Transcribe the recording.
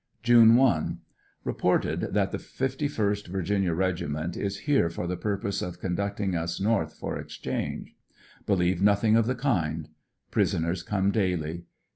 June 1. — Eeported that the 51st Virginia Regt, is here for the purpose of conducting us north for exchange . Believe nothing of the kind. Prisoners come daily.